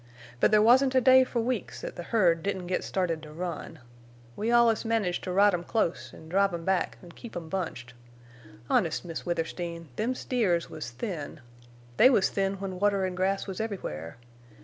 But there wasn't a day for weeks thet the herd didn't get started to run. We allus managed to ride 'em close an' drive 'em back an' keep 'em bunched. Honest, Miss Withersteen, them steers was thin. They was thin when water and grass was everywhere.